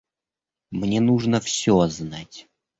Мне нужно всё знать.